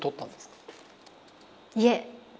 いえ。